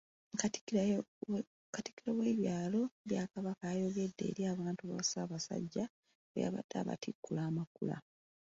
Katikkiro w'ebyalo bya Kabaka yayogeddeko eri abantu ba Ssaabasajja bwe yabadde abatikkula amakula.